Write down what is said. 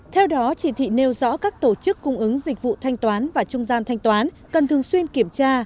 theo đó chỉ thị nêu rõ các tổ chức cung ứng dịch vụ thanh toán và trung gian thanh toán cần thường xuyên kiểm tra